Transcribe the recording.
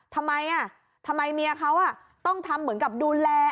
ทำไมทำไมเมียเขาต้องทำเหมือนกับดูแล